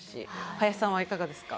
林さんはいかがですか？